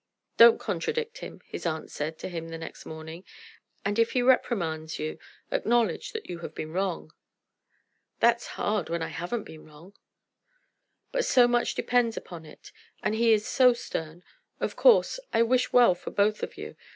"Don't contradict him," his aunt said to him the next morning, "and if he reprimands you, acknowledge that you have been wrong." "That's hard, when I haven't been wrong." "But so much depends upon it; and he is so stern. Of course, I wish well for both of you.